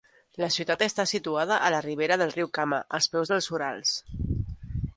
La ciutat està situada a la ribera del riu Kama, als peus dels Urals.